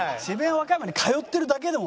和歌山に通ってるだけでも。